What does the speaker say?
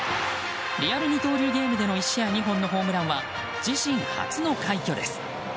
リアル二刀流ゲームでの１試合２本目のホームランは自身初の快挙です。